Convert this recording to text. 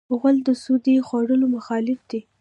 غول د سودي خوړو مخالف دی.